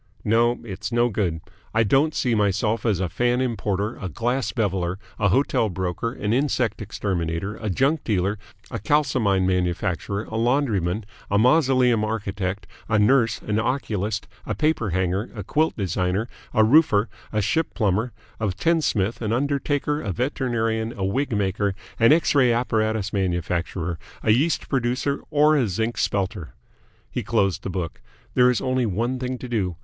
No, it's no good. I don't see myself as a Fan Importer, a Glass Beveller, a Hotel Broker, an Insect Exterminator, a Junk Dealer, a Kalsomine Manufacturer, a Laundryman, a Mausoleum Architect, a Nurse, an Oculist, a Paper Hanger, a Quilt Designer, a Roofer, a Ship Plumber, a Tinsmith, an Undertaker, a Veterinarian, a Wig Maker, an X ray apparatus manufacturer, a Yeast producer, or a Zinc Spelter." He closed the book. "There is only one thing to do.